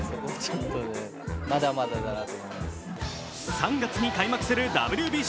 ３月に開幕するＷＢＣ。